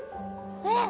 えっ！